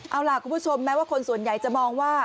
เอาล่ะคุณผู้ชมแม้ว่าคนส่วนใหญ่จะมองว่า